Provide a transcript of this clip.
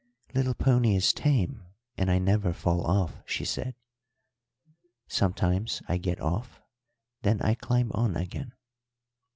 "Little pony is tame, and I never fall off," she said. "Sometimes I get off, then I climb on again."